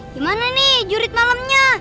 gimana nih jurit malamnya